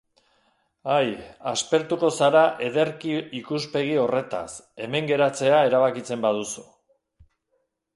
Ai, aspertuko zara ederki ikuspegi horretaz, hemen geratzea erabakitzen baduzu.